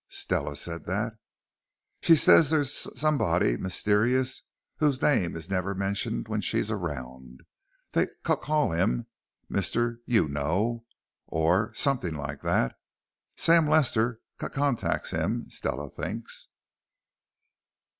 "Stella said that?" "She says there's s somebody mysterious whose name is never mentioned when she's around. They c call him 'Mr. You know' or s something like that. Sam Lester c contacts him, Stella thinks."